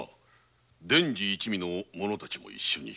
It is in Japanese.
伝次一味の者たちも一緒に。